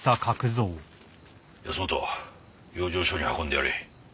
保本養生所に運んでやれ。